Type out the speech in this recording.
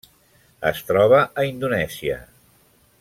Es troba a Indonèsia.